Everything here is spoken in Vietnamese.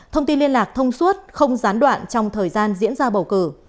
thông tin liên lạc thông suốt không gián đoạn trong thời gian diễn ra bầu cử